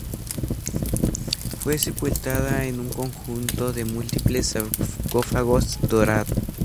Fue sepultada en un conjunto de múltiples sarcófagos dorados.